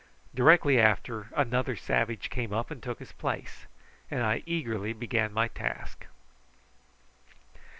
Directly after, another savage came up and took his place, and I eagerly began my task.